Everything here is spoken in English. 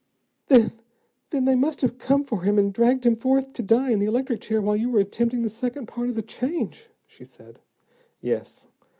"Then then they must have come for him and dragged him forth to die in the electric chair while you were attempting the second part of the change," she said. "Yes.